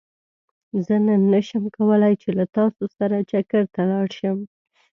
زه نن نه شم کولاي چې له تاسو سره چکرته لاړ شم